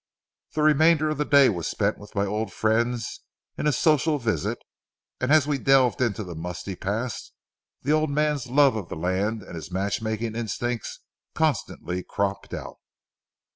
The remainder of the day was spent with my old friends in a social visit, and as we delved into the musty past, the old man's love of the land and his matchmaking instincts constantly cropped out.